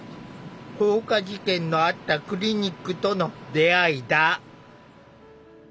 放火事件のあったクリニックとの出会いだ。